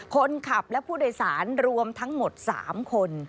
คนขับและผู้โดยสารรวมทั้งหมด๓คน